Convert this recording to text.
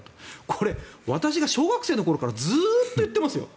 これ、私が小学生のぐらいからずっと言ってますよ。